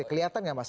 kelihatan nggak mas